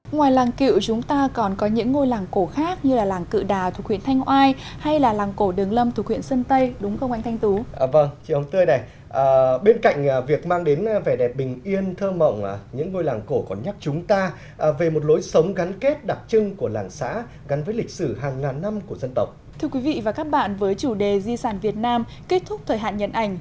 ngoài làng cựu chúng ta còn có những cái đường nét trang trí tinh tế vừa giản dị đơn sơ vừa khoáng đạt bay bỏng và lẫn một chút phong cách trang trí mang phong cách phương tây giờ đây vẫn còn nguyên vẻ đẹp với thời gian